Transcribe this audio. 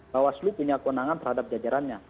pak slon punya kewenangan terhadap jajarannya